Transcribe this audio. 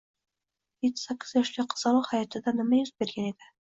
Etti-sakkiz yoshli qizaloq hayotida nima yuz bergan edi